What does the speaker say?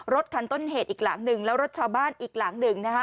รถคันต้นเหตุอีกหลังหนึ่งแล้วรถชาวบ้านอีกหลังหนึ่งนะคะ